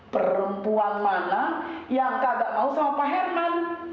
perempuan mana yang tak ada mahu sama pak herman